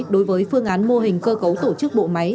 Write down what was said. đối với phương án mô hình cơ cấu tổ chức bộ máy